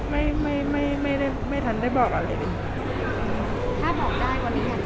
ไม่ทันได้บอกอะไร